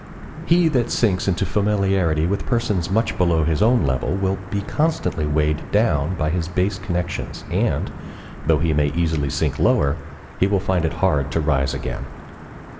He that sinks into familiarity with persons much below his own level will be constantly weighed down by his base connections, and, though he may easily sink lower, he will find it hard to rise again.